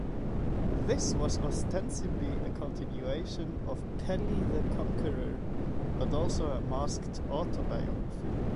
This was ostensibly a continuation of "Pelle the Conqueror", but also a masked autobiography.